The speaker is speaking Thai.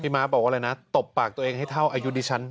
ม้าบอกว่าอะไรนะตบปากตัวเองให้เท่าอายุดิฉัน